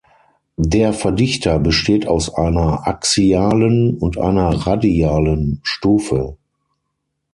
Der Verdichter besteht aus einer axialen und einer radialen Stufe.